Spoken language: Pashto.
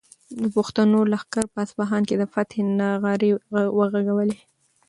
د پښتنو لښکر په اصفهان کې د فتحې نغارې وغږولې.